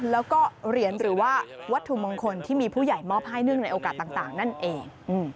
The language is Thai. แล้วก็เหรียญหรือว่าวัตถุมงคลที่มีผู้ใหญ่มอบให้เนื่องในโอกาสต่างนั่นเอง